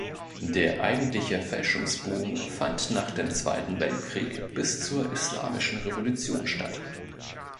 Der eigentliche „Fälschungsboom“ fand nach dem zweiten Weltkrieg bis zur Islamischen Revolution statt.